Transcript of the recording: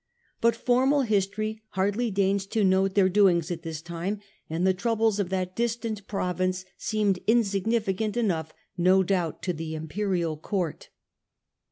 But formal history hardly deigns to note their doings at this time, and the troubles of that distant province seemed insignificant enough, no doubt, to the imperial court.